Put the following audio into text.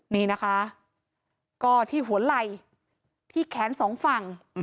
นี่นะคะก็ที่หัวไหล่ที่แขนสองฝั่ง